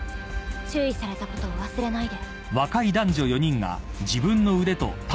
注意されたことを忘れないで。